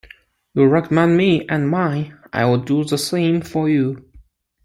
You recommend me and mine, I'll do the same for you.